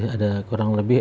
ada kurang lebih